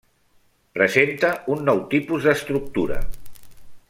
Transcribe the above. Presenta un nou tipus d'estructura.